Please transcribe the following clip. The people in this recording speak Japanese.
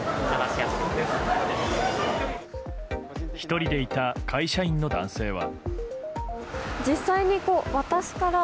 １人でいた会社員の男性は。